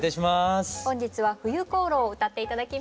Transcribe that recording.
本日は「冬航路」を歌って頂きます。